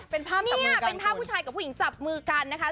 เป็นภาพผู้ชายกับผู้หญิงจับมือกันนะคะ